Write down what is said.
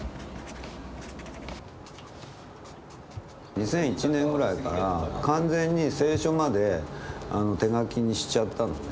２００１年ぐらいから完全に清書まで手書きにしちゃったのね。